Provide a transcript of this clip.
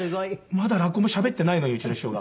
まだ落語もしゃべっていないのにうちの師匠が。